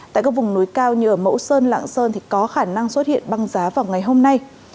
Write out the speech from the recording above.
tại các vùng núi cao như ở mẫu sơn lạng sơn thì có khả năng xuất hiện băng giá vào ngày hôm nay